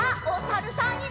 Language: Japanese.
おさるさん。